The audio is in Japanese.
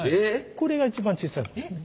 これが一番小さいものですね。